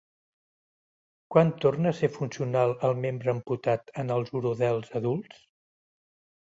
Quan torna a ser funcional el membre amputat en els urodels adults?